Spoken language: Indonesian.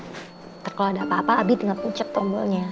ntar kalo ada apa apa abi tinggal pencet tombolnya